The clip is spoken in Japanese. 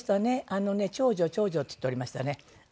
あのね「長女長女」っつっておりましたね。